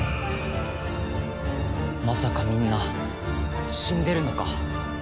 まさかみんな死んでるのか？